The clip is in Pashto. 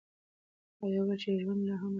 هغې وویل چې ژوند لا هم روان دی.